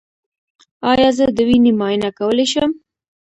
ایا زه د وینې معاینه کولی شم؟